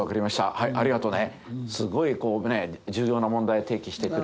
はいありがとね。